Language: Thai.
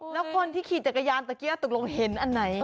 แล้วคนที่ขี่จักรยานตะกี้ตกลงเห็นอันไหน